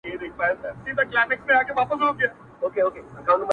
بس ستا و ـ ستا د ساه د ښاريې وروستی قدم و ـ